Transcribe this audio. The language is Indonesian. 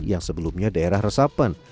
yang sebelumnya daerah resapan